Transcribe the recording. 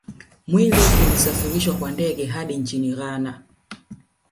Mwili ukasafirishwa kwa ndege hadi nchini Ghana